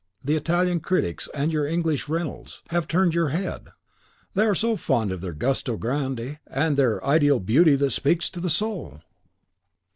The Italian critics, and your English Reynolds, have turned your head. They are so fond of their 'gusto grande,' and their 'ideal beauty that speaks to the soul!